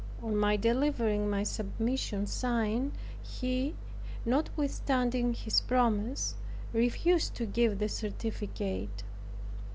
On my delivering my submission signed, he, notwithstanding his promise, refused to give the certificate.